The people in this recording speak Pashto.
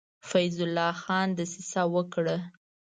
فیض الله خان دسیسه وکړه.